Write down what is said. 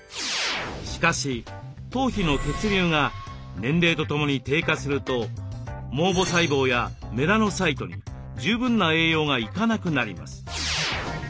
しかし頭皮の血流が年齢とともに低下すると毛母細胞やメラノサイトに十分な栄養が行かなくなります。